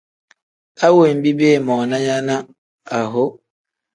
A wenbi biimoona nya ne aho.